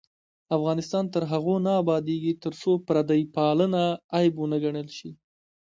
افغانستان تر هغو نه ابادیږي، ترڅو پردی پالنه عیب ونه ګڼل شي.